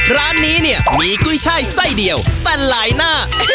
ร้านนี้เนี่ยมีกุ้ยช่ายไส้เดียวแต่หลายหน้า